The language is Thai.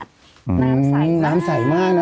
น้ำใสมากน้ำใสมาก